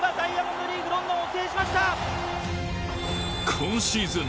今シーズン